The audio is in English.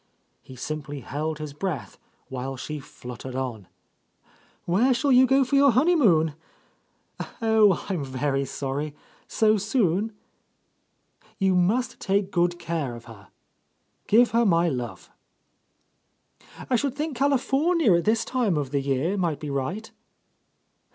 He simply held his breath while she fluttered on: "Where shall you go for your honeymoon? Oh, I'm very sorry 1 So soon ... You must take good care of her. Give her my love. ... I should think California, at this time of the year, might be right